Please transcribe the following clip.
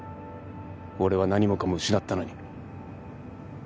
俺は何もかも失ったのに。